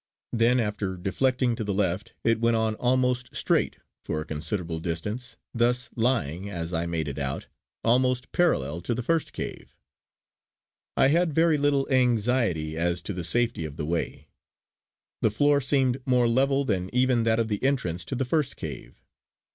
Then after deflecting to the left it went on almost straight for a considerable distance, thus lying, as I made it out, almost parallel to the first cave. I had very little anxiety as to the safety of the way. The floor seemed more level than even that of the entrance to the first cave.